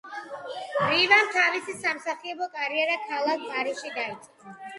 რივამ თავისი სამსახიობო კარიერა ქალაქ პარიზში დაიწყო.